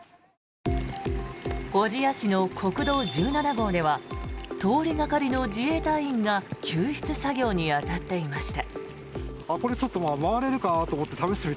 小千谷市の国道１７号では通りがかりの自衛隊員が救出作業に当たっていました。